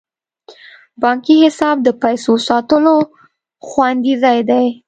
بانکي حساب د پیسو ساتلو خوندي ځای دی.